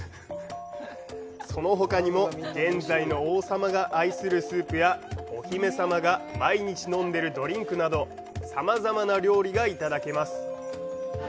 そのほかにも現在の王様が愛するスープやお姫様が毎日飲んでいるドリンクなどさまざまな料理がいただけます。